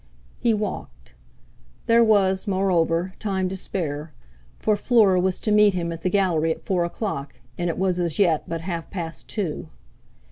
He walked. There was, moreover, time to spare, for Fleur was to meet him at the Gallery at four o'clock, and it was as yet but half past two.